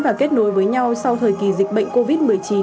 và kết nối với nhau sau thời kỳ dịch bệnh covid một mươi chín